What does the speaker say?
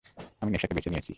আমি নেশাকে বেছে নিয়েছি!